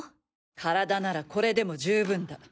体ならこれでも十分だ！